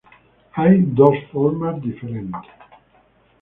Hay dos formas diferentes.